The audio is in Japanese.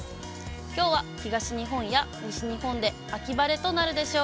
きょうは東日本や西日本で秋晴れとなるでしょう。